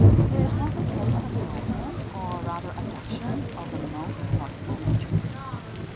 It was a case of elopement, or rather abduction of the most forcible nature.